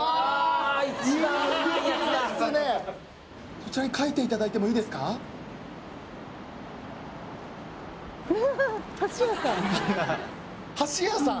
そちらに書いていただいてもいいですかはし家さん